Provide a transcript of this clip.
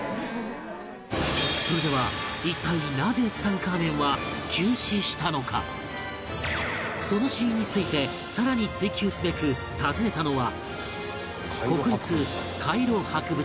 それでは一体その死因についてさらに追求すべく訪ねたのは